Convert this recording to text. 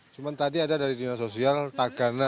cuma tadi ada dari dinas sosial tagana